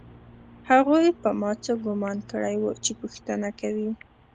هغوی په ما څه ګومان کړی و چې پوښتنه کوي